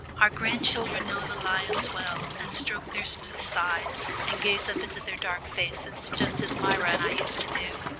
Our grandchildren know the lions well, and stroke their smooth sides, and gaze up into their dark faces just as Myra and I used to do.